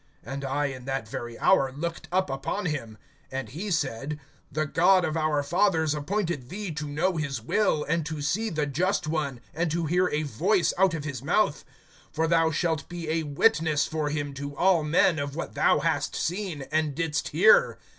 And I, in that very hour, looked up upon him. (14)And he said: The God of our fathers appointed thee to know his will, and to see the Just One, and to hear a voice out of his mouth. (15)For thou shalt be a witness for him to all men, of what thou hast seen, and didst hear.